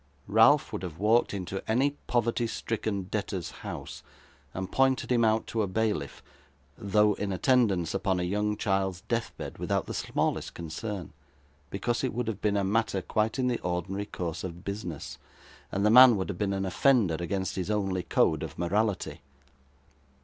Ralph would have walked into any poverty stricken debtor's house, and pointed him out to a bailiff, though in attendance upon a young child's death bed, without the smallest concern, because it would have been a matter quite in the ordinary course of business, and the man would have been an offender against his only code of morality.